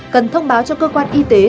cần thông báo cho cơ quan y tế